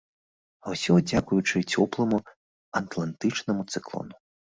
А ўсё дзякуючы цёпламу атлантычнаму цыклону.